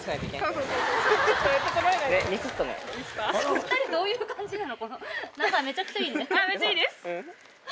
２人どういう感じなの？